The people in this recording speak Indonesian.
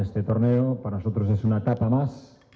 saya ingin memberi anda tahu tentang peristiwa ini